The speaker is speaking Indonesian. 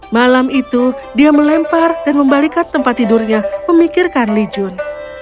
malam itu dia melempar dan membalikan tempat tidurnya memikirkan li jun